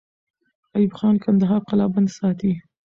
ایوب خان کندهار قلابند ساتي.